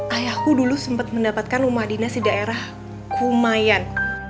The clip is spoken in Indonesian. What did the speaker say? ayahku dulu sempat mendapatkan rumah dinas di daerah kumayan